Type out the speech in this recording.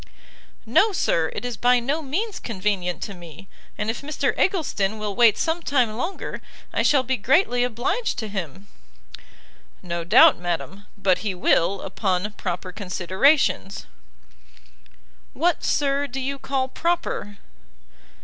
"No, Sir, it is by no means convenient to me; and if Mr Eggleston will wait some time longer, I shall be greatly obliged to him." "No doubt, madam, but he will, upon proper considerations." "What, Sir, do you call proper?"